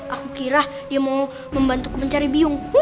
aku kira dia mau membantu kubencari biong